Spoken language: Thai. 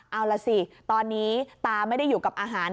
เอาล่ะสิตอนนี้ตาไม่ได้อยู่กับอาหาร